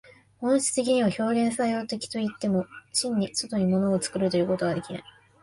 本質的には表現作用的といっても、真に外に物を作るということはできない。